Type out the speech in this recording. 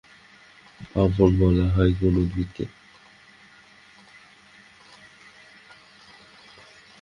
Palm fern বলা হয় কোন উদ্ভিদকে?